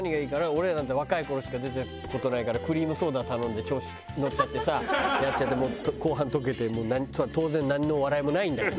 俺なんて若い頃しか出た事ないからクリームソーダを頼んで調子乗っちゃってさやっちゃってもう後半溶けて当然なんの笑いもないんだけどさあ